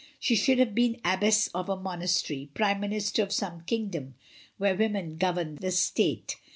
She should have been abbess of a monastery, prime minister of some king dom where women govern the state.